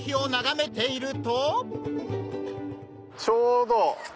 ちょうど。